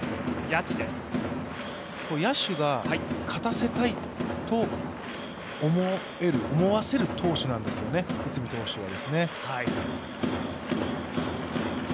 野手が勝たせたいと思わせる投手なんですよね、内海投手は。